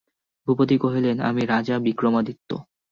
ভূপতি কহিলেন, আমি রাজা বিক্রমাদিত্য।